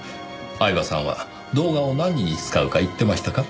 饗庭さんは動画を何に使うか言ってましたか？